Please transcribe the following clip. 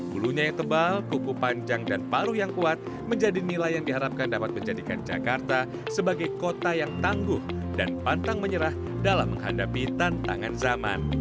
hulunya yang tebal kuku panjang dan paruh yang kuat menjadi nilai yang diharapkan dapat menjadikan jakarta sebagai kota yang tangguh dan pantang menyerah dalam menghadapi tantangan zaman